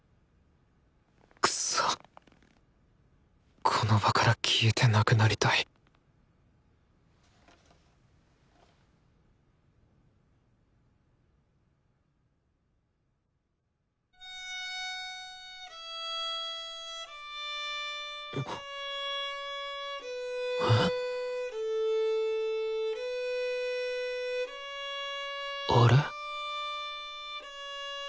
くそこの場から消えてなくなりたいあれ？